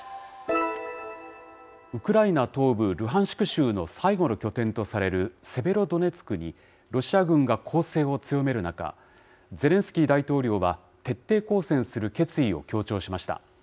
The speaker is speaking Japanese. ウクライナ東部ルハンシク州の最後の拠点とされるセベロドネツクに、ロシア軍が攻勢を強める中、ゼレンスキー大統領は徹底抗戦する決意を強調しました。